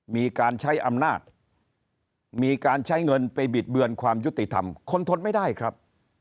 มีการใช้อำนาจมีการใช้เงินไปบิดเบือนความยุติธรรมคนทนไม่ได้ครับ